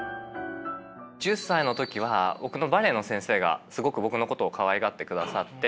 １０歳の時は僕のバレエの先生がすごく僕のことをかわいがってくださって。